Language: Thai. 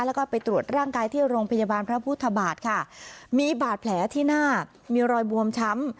แล้วก็ไปตรวจร่างกายที่โรงพยาบาลพระพุทธบาทค่ะมีบาดแผลที่หน้ามีรอยบวมช้ำ